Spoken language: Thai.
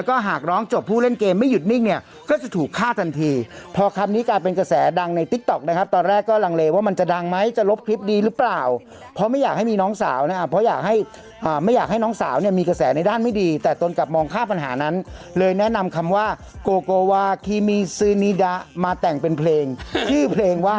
ว่าเราไม่ต้องขึ้นไปแล้วล่ะเราไปมาแล้วในช่วงที่ดีที่สุดมาแล้วพอแล้ว